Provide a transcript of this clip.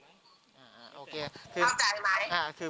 ไม่งั้นเดี๋ยวจะไปแจ้งความแล้ว